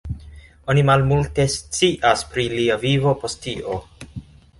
Oni malmulte scias pri lia vivo post tio.